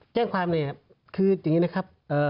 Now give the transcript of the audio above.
แจ้งความเลยครับคืออย่างนี้นะครับ